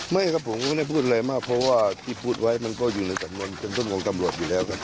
ไม่ครับผมก็ไม่ได้พูดอะไรมากเพราะว่าที่พูดไว้มันก็อยู่ในสำนวนเป็นชั่วโมงตำรวจอยู่แล้วครับ